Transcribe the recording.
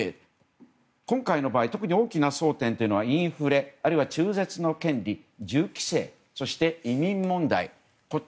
今回の場合特に大きな争点はインフレあるいは中絶の権利銃規制そして、移民問題。